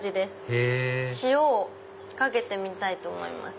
へぇ塩をかけてみたいと思います。